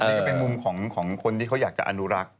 นี่ก็เป็นมุมของคนที่เขาอยากจะอนุรักษ์